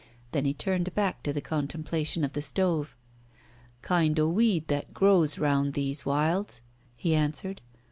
Then he turned back to the contemplation of the stove. "Kind o' weed that grows around these wilds," he answered.